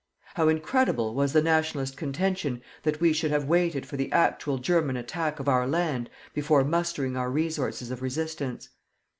How incredible was the "Nationalist" contention that we should have waited for the actual German attack of our land before mustering our resources of resistance.